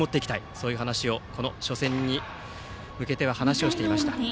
そういう話を初戦に向けて話していました。